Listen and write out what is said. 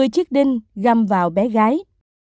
một mươi chiếc đinh găm vào bé gái